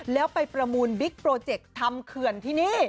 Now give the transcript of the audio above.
แล้วไปประมูลบิ๊กโปรเจกต์ทำเขื่อนที่นี่